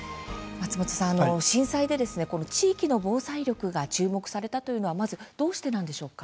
松本さん、震災で地域の防災力が注目されたというのはまずどうしてなんでしょうか？